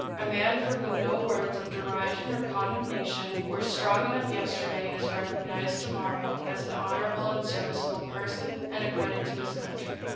A man for whom no words of derision or condemnation were strong enough yesterday is recognized to morrow as an honorable and serviceable person, and a credit to his country.